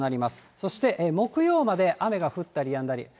そして木曜まで雨が降ったりやんだり。